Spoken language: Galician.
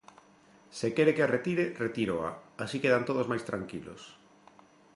Se quere que a retire, retíroa; así quedan todos máis tranquilos.